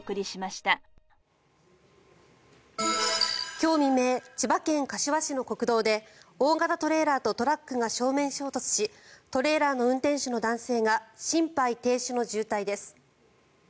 今日未明千葉県柏市の国道で大型トレーラーとトラックが正面衝突しトレーラーの運転手の男性が心肺停止の重体です。